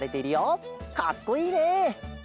かっこいいね！